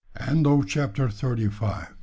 CHAPTER THIRTY SIX.